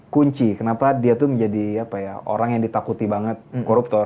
kunci kenapa dia tuh menjadi orang yang ditakuti banget koruptor